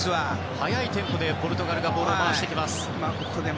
速いテンポでポルトガルがボールを回します。